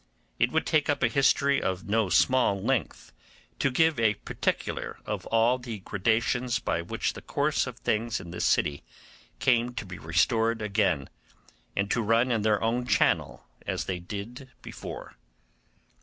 It would take up a history of no small length to give a particular of all the gradations by which the course of things in this city came to be restored again, and to run in their own channel as they did before.